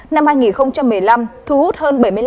năm hai nghìn một mươi năm thu hút hơn bảy mươi năm